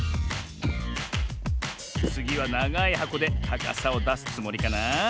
つぎはながいはこでたかさをだすつもりかな？